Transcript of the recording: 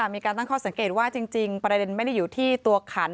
มีการตั้งข้อสังเกตว่าจริงประเด็นไม่ได้อยู่ที่ตัวขัน